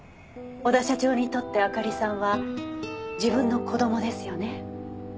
小田社長にとってあかりさんは自分の子どもですよね。